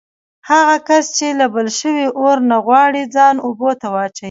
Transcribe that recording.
هغه کس چې له بل شوي اور نه غواړي ځان اوبو ته واچوي.